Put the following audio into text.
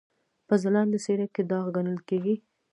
په ځلانده څېره کې داغ ګڼل کېږي.